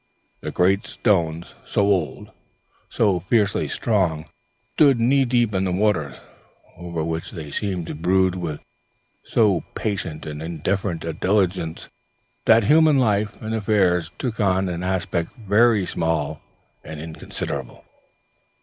The great stones, so old, so fiercely strong, stood knee deep in the waters, over which they seemed to brood with so patient and indifferent a dignity that human life and affairs took on an aspect very small and inconsiderable.